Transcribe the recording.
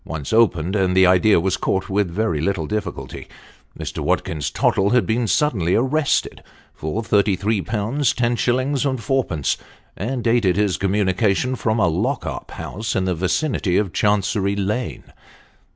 Once opened and the idea was caught with very little difficulty. Mr. Watkins Tottle had been suddenly arrested for 33Z. 10s. 4d., and dated his communica tion from a lock up house in the vicinity of Chancery Lane.